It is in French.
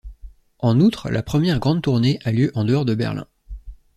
En outre, la première grande tournée a lieu en dehors de Berlin.